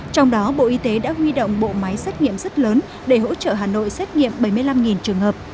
trong đó bộ y tế đã huy động bộ máy xét nghiệm rất lớn để hỗ trợ hà nội xét nghiệm bảy mươi năm trường hợp